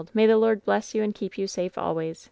May the Lord bless you and keep you safe always !"